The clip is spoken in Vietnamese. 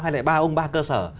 hay lại ba ông ba cơ sở